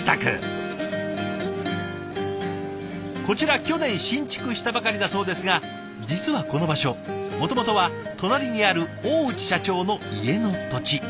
こちら去年新築したばかりだそうですが実はこの場所もともとは隣にある大内社長の家の土地。